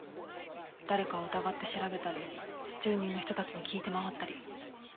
誰かを疑って調べたり住民の人たちに聞いて回ったり。